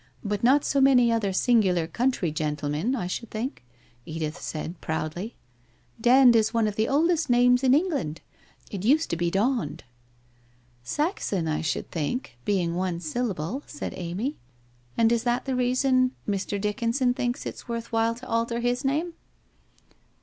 But not so many other singular country gentlemen, I should think?' Edith said, proudly. 1 Dand is one of the oldest names in England. It used to be Daund.' ' Saxon, I should think — being one syllable,' said Amy. 1 And is that the reason Mr. Dickinson thinks it worth while to alter his name?'